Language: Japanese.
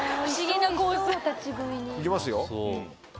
行きますよ。